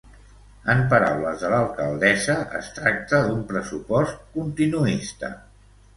En paraules de l'alcaldessa, es tracta d'un pressupost continuista.